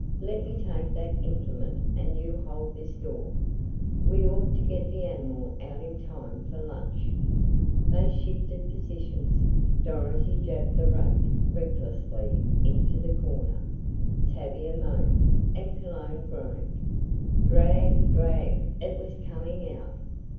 "Let me take that implement and you hold this door. We ought to get the animal out in time for lunch." They shifted positions. Dorothy jabbed the rake recklessly into the corner. Tavia moaned, and Cologne groaned. Drag drag It was coming out.